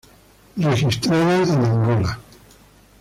Registrada en Angola.